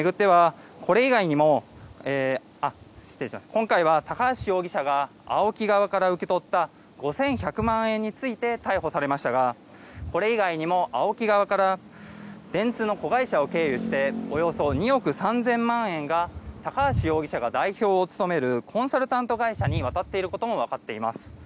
今回は高橋容疑者がＡＯＫＩ側から受け取った５１００万円について逮捕されましたがこれ以外にもＡＯＫＩ側から電通の子会社を経由しておよそ２億３０００万円が高橋容疑者が代表を務めるコンサルタント会社に渡っていることも分かっています。